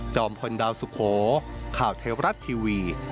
พลดาวสุโขข่าวเทวรัฐทีวี